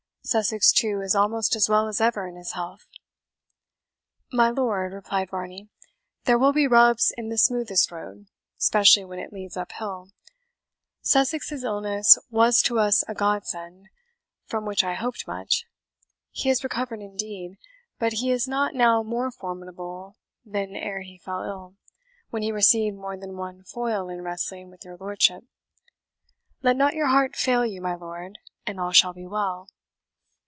Sussex, too, is almost as well as ever in his health." "My lord," replied Varney, "there will be rubs in the smoothest road, specially when it leads uphill. Sussex's illness was to us a godsend, from which I hoped much. He has recovered, indeed, but he is not now more formidable than ere he fell ill, when he received more than one foil in wrestling with your lordship. Let not your heart fail you, my lord, and all shall be well."